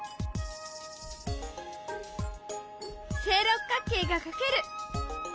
正六角形が描ける。